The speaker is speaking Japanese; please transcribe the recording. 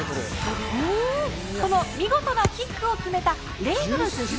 この見事なキックを決めたレイノルズ理